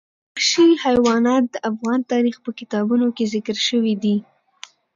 وحشي حیوانات د افغان تاریخ په کتابونو کې ذکر شوي دي.